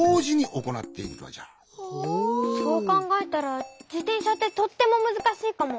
そうかんがえたらじてんしゃってとってもむずかしいかも。